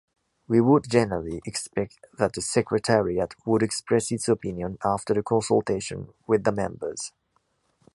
We would generally expect that the secretariat would express its opinion after the consultation with the members.